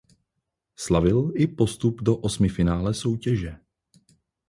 Slavil i postup do osmifinále soutěže.